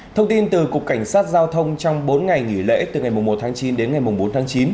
thông tin từ cục cảnh sát giao thông trong bốn ngày nghỉ lễ từ ngày một tháng chín đến ngày bốn tháng chín